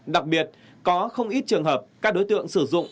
đặc biệt có không ít trường hợp các đối tượng sử dụng